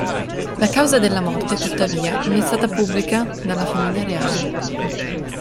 La causa della morte, tuttavia, non è stata pubblica dalla famiglia reale.